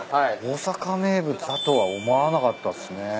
大阪名物だとは思わなかったっすね。